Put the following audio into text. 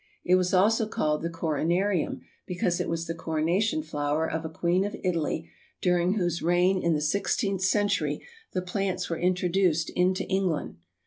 It was also called the Coronarium because it was the coronation flower of a queen of Italy during whose reign in the sixteenth century the plants were introduced into England.